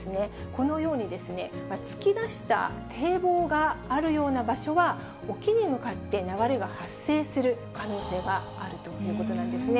このようにですね、突き出した堤防があるような場所は、沖に向かって流れが発生する可能性があるということなんですね。